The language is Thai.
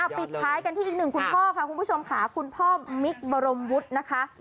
ปิดท้ายกันที่อีกหนึ่งคุณพ่อค่ะคุณผู้ชมค่ะคุณพ่อมิคบรมวุฒินะคะ